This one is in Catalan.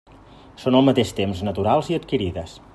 Són al mateix temps naturals i adquirides.